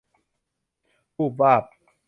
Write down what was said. วูบวาบ